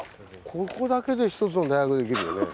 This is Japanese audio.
ここだけで一つの大学できるよね。